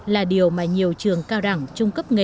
là điều mà nhiều trường cao đẳng trung cấp nghề